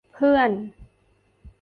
เพื่อน